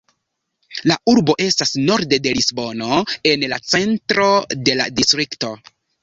La urbo estas norde de Lisbono, en la centro de la distrikto.